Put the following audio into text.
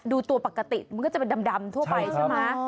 ดูตัวปกติมันก็จะเป็นดำทั่วไปใช่ไหม